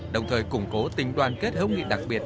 đồng thời củng cố tỉnh đoàn kết hợp nghị đặc biệt